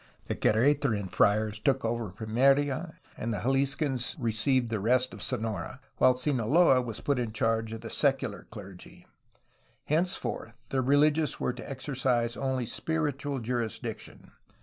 The Quer^taran friars took over Pimeria, and the Jaliscans received the rest of Sonora, while Sinaloa was put in charge of the secular clergy. Henceforth the religious were to exercise only spiritual jurisdiction.